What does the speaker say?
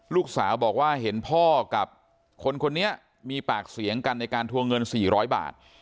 ลูกสาวบอกว่าเห็นพ่อกับคนคนนี้มีปากเสียงกันในการทวงเงิน๔๐๐บาท